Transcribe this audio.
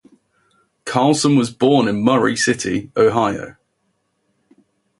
Carlson was born in Murray City, Ohio.